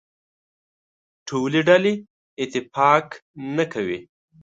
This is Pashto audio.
ټولې ډلې اتفاق نه کوي.